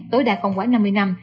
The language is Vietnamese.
tối đa không quả năm mươi năm